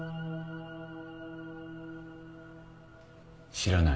知らない。